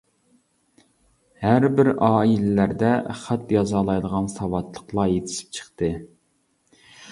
ھەر بىر ئائىلىلەردە خەت يازالايدىغان ساۋاتلىقلار يېتىشىپ چىقتى.